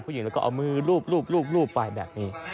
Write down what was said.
ผู้หญิงแล้วก็เอามือลูบไปแบบนี้